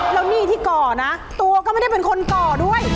แล้วหนี้ที่ก่อนะตัวก็ไม่ได้เป็นคนก่อด้วย